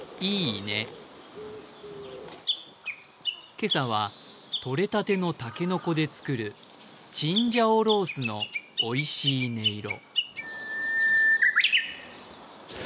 今朝は、とれたての竹の子で作るチンジャオロースのおいしい音色。